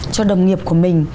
cho đồng nghiệp của mình